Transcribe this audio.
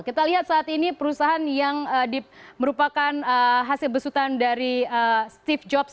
kita lihat saat ini perusahaan yang merupakan hasil besutan dari steve jobs